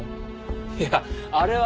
いやあれは。